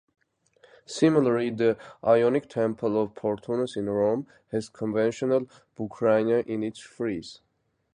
Similarly, the Ionic Temple of Portunus in Rome has conventional bucrania in its frieze.